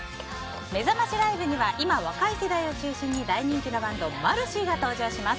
めざましライブには今、若い世代を中心に大人気のバンドマルシィが登場します。